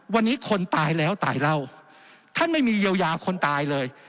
วันนี้คนตายแล้วตายเหล้าท่านไม่มีเยียวยาคนตายเลย